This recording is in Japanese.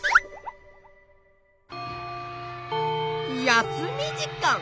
やすみじかん